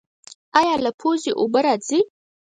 ایا له پوزې اوبه راځي؟